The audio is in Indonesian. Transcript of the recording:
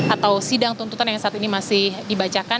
atau sidang tuntutan yang saat ini masih dibacakan